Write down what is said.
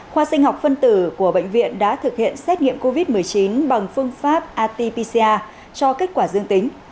khoa sinh học phân tử của bệnh viện đã thực hiện xét nghiệm covid một mươi chín bằng phương pháp atpca cho kết quả dương tính